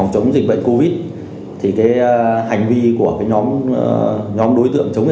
của cộng đồng